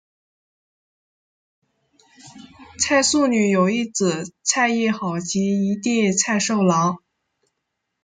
蔡素女有一姊蔡亦好及一弟蔡寿郎。